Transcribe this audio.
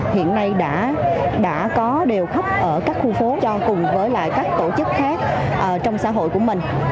hiện nay đã có đều khắp ở các khu phố cho cùng với lại các tổ chức khác trong xã hội của mình